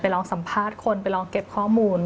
ลองสัมภาษณ์คนไปลองเก็บข้อมูล